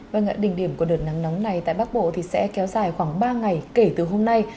vâng đỉnh điểm của đợt nắng nóng này tại bắc bộ thì sẽ kéo dài khoảng ba ngày kể từ hôm nay